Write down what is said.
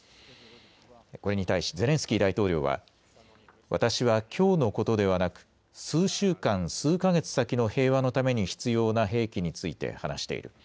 これに対しゼレンスキー大統領は私はきょうのことではなく数週間、数か月先の平和のために必要な兵器について話している。